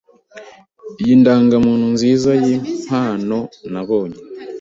Iyi nindangamuntu nziza yimpimbano nabonye.